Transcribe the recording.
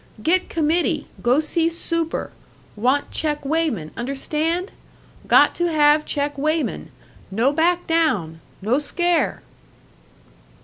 "Get committee, go see super! Want check weighman. Understand? Got to have check weighman! No back down, no scare."